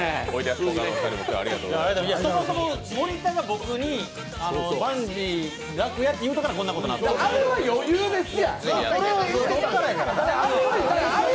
そもそも森田が僕にバンジーやると言ったからこんなことなったんです。